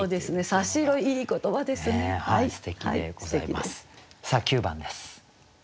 さあ９番です。